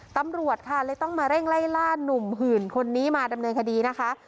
ตำรวจค่ะเลยต้องมาเร่งไล่ล่านุ่มหื่นคนนี้มาดำเนินคดีนะคะ